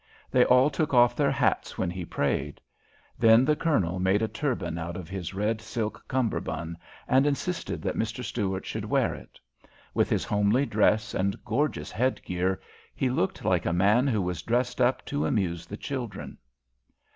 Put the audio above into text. They all took off their hats when he prayed. Then the Colonel made a turban out of his red silk cummerbund, and insisted that Mr. Stuart should wear it. With his homely dress and gorgeous head gear, he looked like a man who has dressed up to amuse the children.